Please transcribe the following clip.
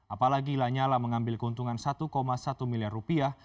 apalagi lanyala mengambil keuntungan satu satu miliar rupiah